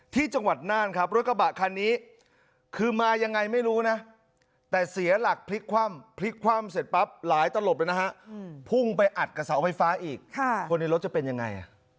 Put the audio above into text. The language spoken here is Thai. ที่จังหวัดนานรถกระบะคันนี้